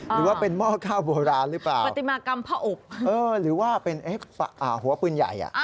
หรือว่าเป็นหม้อข้าวโบราณหรือเปล่าอ่าหรือว่าหัวปูนใหญ่